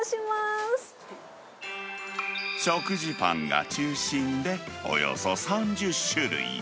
食事パンが中心で、およそ３０種類。